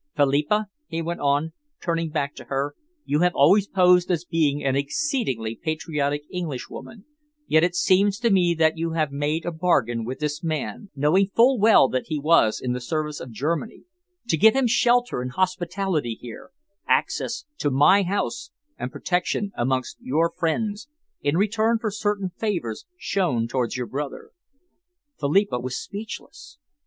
Philippa," he went on, turning back to her, "you have always posed as being an exceedingly patriotic Englishwoman, yet it seems to me that you have made a bargain with this man, knowing full well that he was in the service of Germany, to give him shelter and hospitality here, access to my house and protection amongst your friends, in return for certain favours shown towards your brother." Philippa was speechless.